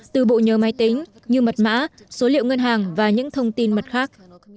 từ bộ nhớ máy tính như mật mã số liệu ngân hàng và những thông tin mật khác